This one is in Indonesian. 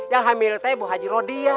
yang hamil teh bu haji rodi ya